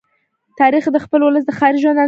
تاریخ د خپل ولس د ښاري ژوند انځور دی.